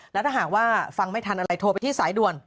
แล้วถ้าหากว่าฟังไม่ทันอะไรโทรไปที่สายด่วน